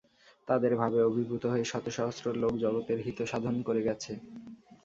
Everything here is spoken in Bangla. তাঁদের ভাবে অভিভূত হয়ে শতসহস্র লোক জগতের হিতসাধন করে গেছে।